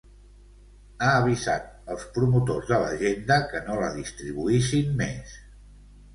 Ha avisat els promotors de l’agenda que no la distribuïssin més.